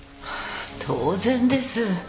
当然です。